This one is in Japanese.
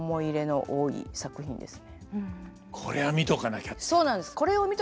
「これは見とかなきゃ」って。